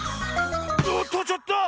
おっとちょっと！